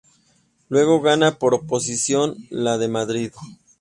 Luego gana por oposición la de Madrid.